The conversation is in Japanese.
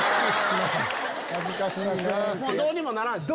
もうどうにもならんし。